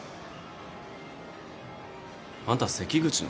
あんた関口の？